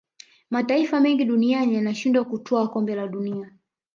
mataifa mengi duniani yanashindwa kutwaa kombe la dunia